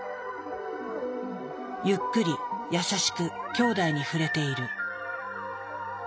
ゆっくり優しくきょうだいに触れている。